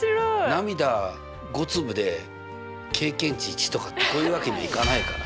涙５粒で経験値１とかってこういうわけにはいかないからね。